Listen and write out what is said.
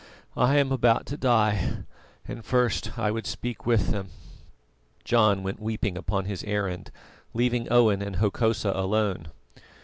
I am about to die, and first I would speak with them." John went weeping upon his errand, leaving Owen and Hokosa alone.